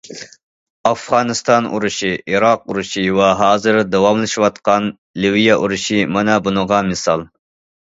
ئافغانىستان ئۇرۇشى، ئىراق ئۇرۇشى ۋە ھازىر داۋاملىشىۋاتقان لىۋىيە ئۇرۇشى مانا بۇنىڭغا مىسال.